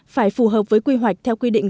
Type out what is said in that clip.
phải phù hợp với quy hoạch theo quy định